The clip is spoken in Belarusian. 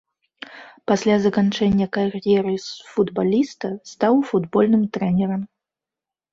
Пасля заканчэння кар'еры футбаліста стаў футбольным трэнерам.